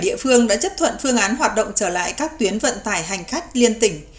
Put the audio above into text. hai mươi bảy địa phương đã chấp thuận phương án hoạt động trở lại các tuyến vận tải hành khách liên tỉnh